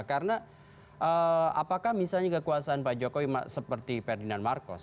karena apakah misalnya kekuasaan pak jokowi seperti ferdinand marcos